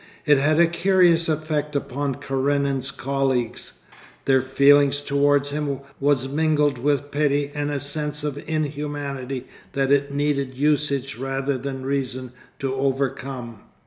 It had a curious effect upon Karenin's colleagues; their feeling towards him was mingled with pity and a sense of inhumanity that it needed usage rather than reason to overcome.